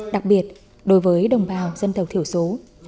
đặc biệt đối với đồng bào dân tộc thiểu số